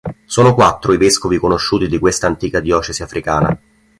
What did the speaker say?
Sono quattro i vescovi conosciuti di questa antica diocesi africana.